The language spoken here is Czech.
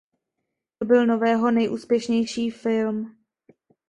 To byl Nového nejúspěšnější film.